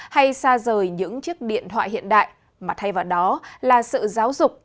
hay xa rời những chiếc điện thoại hiện đại mà thay vào đó là sự giáo dục